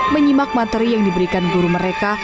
menyimak materi yang diberikan guru mereka